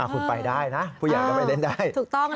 คุณไปได้นะผู้อยากจะไปเล่นได้